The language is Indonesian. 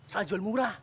saya jual murah